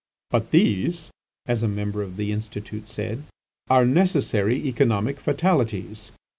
"But these," as a member of the Institute said, "are necessary economic fatalities."